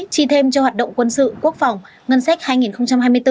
chi thêm cho hoạt động quân sự quốc phòng ngân sách hai nghìn hai mươi bốn